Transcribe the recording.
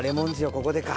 ここでか。